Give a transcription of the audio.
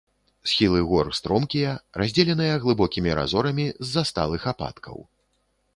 Схілы гор стромкія, раздзеленыя глыбокімі разорамі з-за сталых ападкаў.